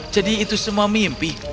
jadi itu semua mimpi